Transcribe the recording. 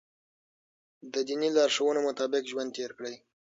د دیني لارښوونو مطابق ژوند تېر کړئ.